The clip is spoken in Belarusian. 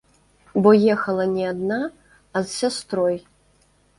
Бо ехала не адна, а з сястрой.